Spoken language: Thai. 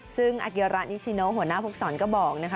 ซึ่งอาเกียระนิชิโนหัวหน้าภูมิสอนก็บอกนะคะ